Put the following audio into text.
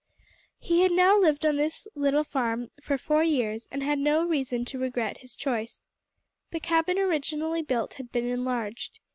He had now lived on his little farm for four years, and had had no reason to regret his choice. The cabin originally built had been enlarged.